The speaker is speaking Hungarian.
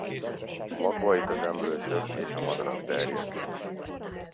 A magvait az emlősök és a madarak terjesztik.